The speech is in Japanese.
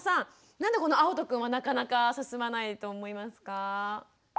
なんでこのあおとくんはなかなか進まないと思いますか？